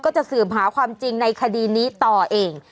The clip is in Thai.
จะสืบหาความจริงในคดีนี้ต่อเอง